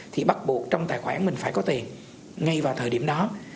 thì bắt buộc trong tài khoản mình phải có tiền ngay vào thời điểm đó